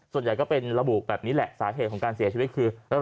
ส่วนใหญ่ก็เป็นระบุแบบนี้แหละสาเหตุของการเสียชีวิตคือ